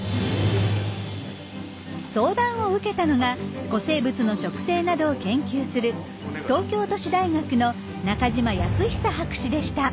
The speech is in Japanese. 相談を受けたのが古生物の食性などを研究する東京都市大学の中島保寿博士でした。